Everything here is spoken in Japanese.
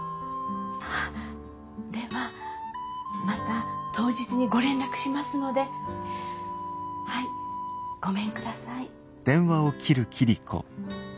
ではまた当日にご連絡しますのではいごめんください。